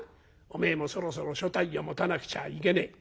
『おめえもそろそろ所帯を持たなくちゃいけねえ。